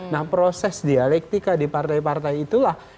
nah proses dialektika di partai partai itulah